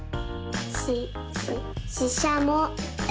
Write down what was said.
ししししゃも。